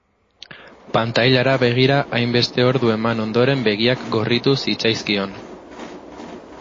Pantailara begira hainbeste ordu eman ondoren begiak gorritu zitzaizkion.